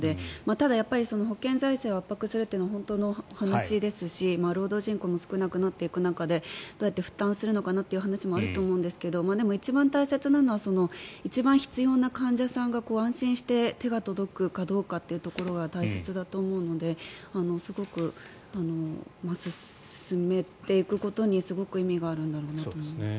ただ、保険財政を圧迫するというのも本当の話ですし労働人口も少なくなっていく中でどうやって負担するのかなという話もあると思うんですがでも、一番大切なのは一番必要な患者さんが安心して手が届くかどうかというところが大切だと思うので進めていくことにすごく意味があるんだろうなと思います。